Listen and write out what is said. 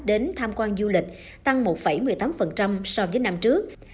đến tham quan du lịch tăng một một mươi tám so với năm trước